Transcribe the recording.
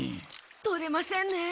取れませんね。